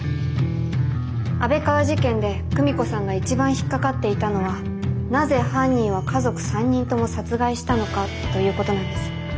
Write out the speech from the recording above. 安倍川事件で久美子さんが一番引っ掛かっていたのはなぜ犯人は家族３人とも殺害したのかということなんです。